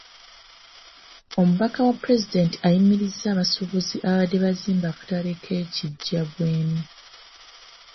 Omubaka wa Pulezidenti ayimirizza abasuubuzi ababadde bazimba akatale e Kijjabwemi.